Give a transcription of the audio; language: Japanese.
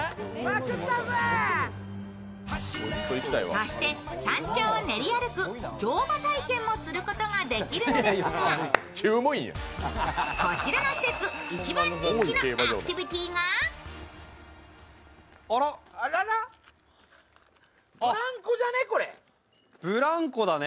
そして、山頂を練り歩く乗馬体験もすることができるんですがこちらの施設、一番人気のアクティビティーがブランコじゃね？